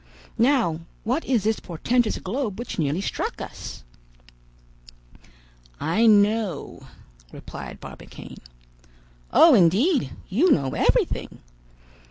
Now, what is this portentous globe which nearly struck us?" "I know," replied Barbicane. "Oh, indeed! you know everything."